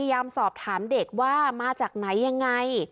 เจ้านัทธีพุทธธสอบถามเด็กว่ามาจากไหนอย่างไร